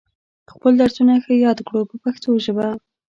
خپل درسونه ښه یاد کړو په پښتو ژبه.